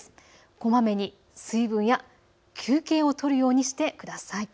こまめに水分や休憩をとるようにしてください。